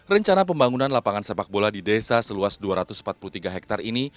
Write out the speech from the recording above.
rencana pembangunan lapangan sepak bola di desa seluas dua ratus empat puluh tiga hektare ini